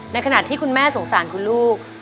ในขณะที่คุณแม่สงสารคุณลูก